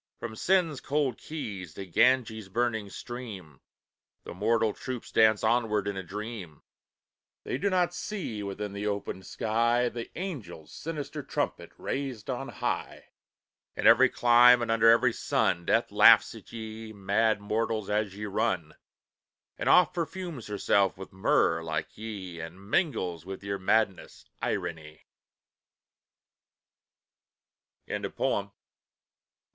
From Seine's cold quays to Ganges' burning stream, The mortal troupes dance onward in a dream; They do not see, within the opened sky, The Angel's sinister trumpet raised on high. In every clime and under every sun, Death laughs at ye, mad mortals, as ye run; And oft perfumes herself with myrrh, like ye And mingles with your madness, irony!" THE BEACONS.